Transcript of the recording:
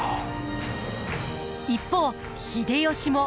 一方秀吉も。